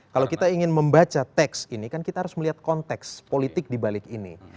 kalau kita ingin membaca teks ini kan kita harus melihat konteks politik dibalik ini